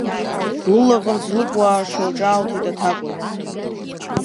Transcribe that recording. Лылаӷырӡ лыкуаашо ҽаалҭиҭ аҭакуажә.